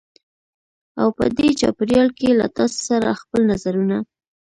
او په دې چاپېریال کې له تاسې سره خپل نظرونه